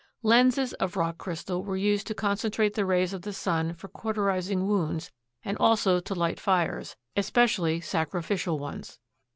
Lenses of rock crystal were used to concentrate the rays of the sun for cauterizing wounds and also to light fires, especially sacrificial ones.